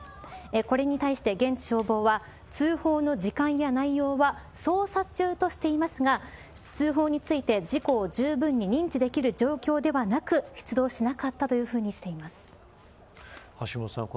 これに対して現地消防は通報の時間や内容は捜査中としていますが通報について事故をじゅうぶん把握できる状況ではなく出動しなかったというふうにしています。